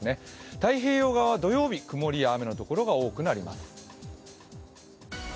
太平洋側は土曜日、曇りや雨のところが多くなります。